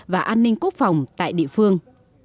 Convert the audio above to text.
và an ninh quốc phòng tại địa phương